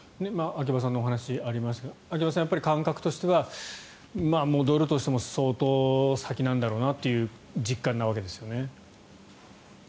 秋葉さんのお話にもありましたが秋葉さん、感覚としては戻るとしても相当、先なんだろうなという実感のわけですよね。